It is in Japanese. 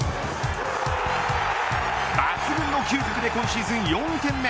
抜群の嗅覚で今シーズン４点目。